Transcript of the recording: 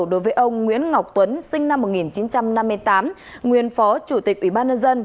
đối với ông nguyễn ngọc tuấn sinh năm một nghìn chín trăm năm mươi tám nguyên phó chủ tịch ủy ban nhân dân